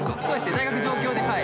大学上京ではい。